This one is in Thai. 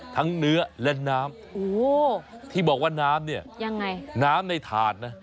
เนื้อและน้ำที่บอกว่าน้ำเนี่ยยังไงน้ำในถาดนะ